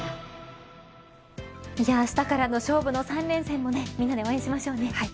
あしたからの勝負の３連戦みんなで応援しましょう。